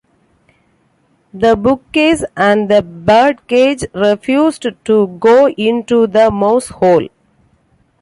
The bookcase and the birdcage refused to go into the mouse-hole.